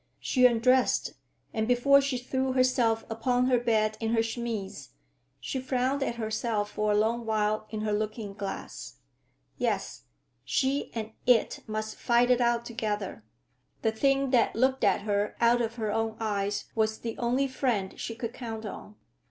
She undressed, and before she threw herself upon her bed in her chemise, she frowned at herself for a long while in her looking glass. Yes, she and It must fight it out together. The thing that looked at her out of her own eyes was the only friend she could count on.